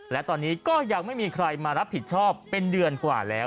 และตอนนี้ก็ยังไม่มีใครมารับผิดชอบเป็นเดือนกว่าแล้ว